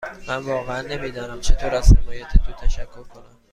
من واقعا نمی دانم چطور از حمایت تو تشکر کنم.